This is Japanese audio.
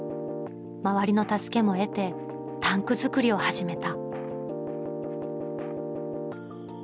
周りの助けも得てタンク作りを始めた。